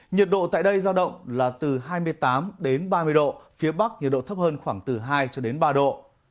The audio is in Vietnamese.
nhiệt độ tại đây giao động là từ hai mươi tám ba mươi độ phía bắc nhiệt độ thấp hơn khoảng từ hai cho đến ba độ